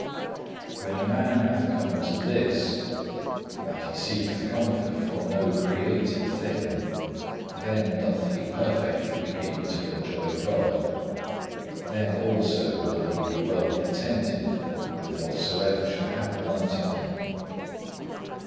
9. When a man hath come to this, that he seeketh comfort from no created thing, then doth he perfectly begin to enjoy God, then also will he be well contented with whatsoever shall happen unto him.